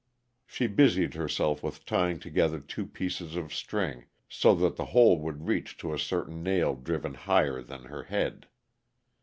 She busied herself with tying together two pieces of string, so that the whole would reach to a certain nail driven higher than her head.